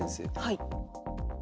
はい。